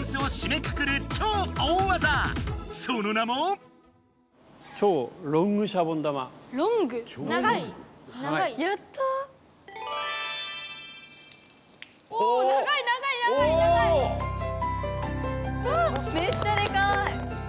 めっちゃでかい！